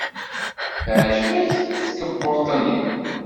Teɛjeb-ik tkebbuḍt-nni?